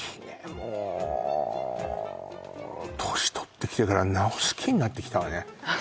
もう年取ってきてからなお好きになってきたわね